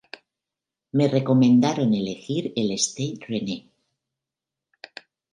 Me recomendaron elegir el Stade Rennais.